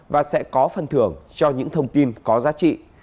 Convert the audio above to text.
và sẽ có phần thưởng cho những thông tin có giá trị